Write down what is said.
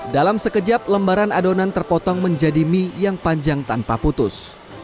dalam sekejap lembaran adonan terpotong menjadi mie yang panjang tanpa putus